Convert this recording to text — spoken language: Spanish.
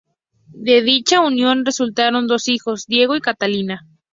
De dicha unión resultaron dos hijos: Diego y Catalina.